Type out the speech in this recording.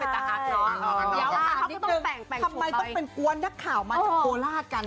ทำไมต้องเป็นกวนหนักข่าวมากับกังราศกัน